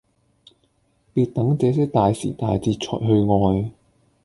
別等這些大時大節才去愛